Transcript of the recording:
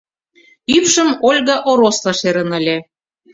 ӱпшым Ольга Оросла шерын ыле